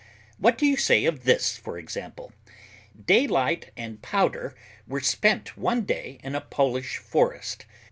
What do you say of this, for example? Daylight and powder were spent one day in a Polish forest.